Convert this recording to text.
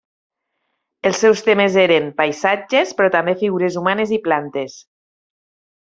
Els seus temes eren, paisatges però també figures humanes i plantes.